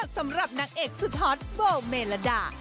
สำหรับนางเอกสุดฮอตโบเมลดา